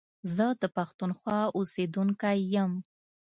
زه د پښتونخوا اوسېدونکی يم